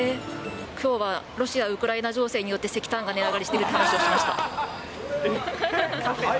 きょうはロシア・ウクライナ情勢によって石炭が値上がりしているっていう話をしました。